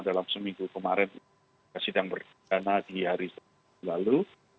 dalam seminggu kemarin persidangan berkenaan di hari lalu